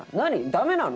ダメなの！？